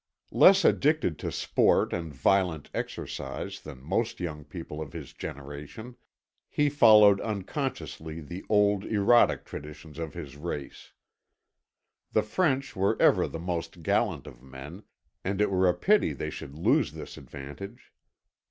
Less addicted to sport and violent exercise than most young people of his generation, he followed unconsciously the old erotic traditions of his race. The French were ever the most gallant of men, and it were a pity they should lose this advantage.